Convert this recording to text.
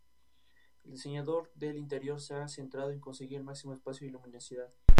Se graduó en ambos derechos.